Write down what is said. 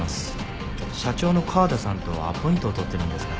社長の河田さんとアポイントを取ってるんですが。